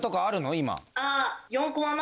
今。